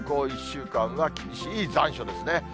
１週間は厳しい残暑ですね。